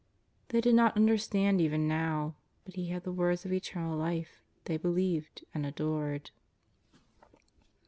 They did not under stand even now, but He had the words of eternal life; they believed, and adored.